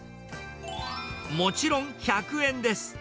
もちろん１００円です。